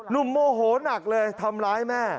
โมโหนักเลยทำร้ายแม่